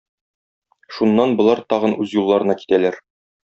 Шуннан болар тагын үз юлларына китәләр.